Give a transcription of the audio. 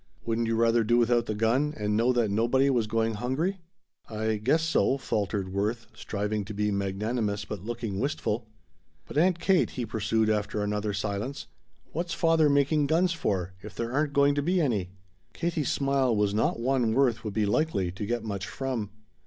Wouldn't you rather do without the gun and know that nobody was going hungry?" "I guess so," faltered Worth, striving to be magnanimous but looking wistful. "But, Aunt Kate," he pursued after another silence, "what's father making guns for if there aren't going to be any?" Katie's smile was not one Worth would be likely to get much from.